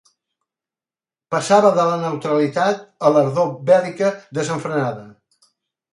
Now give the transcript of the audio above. Passava de la neutralitat a l'ardor bèl·lica desenfrenada.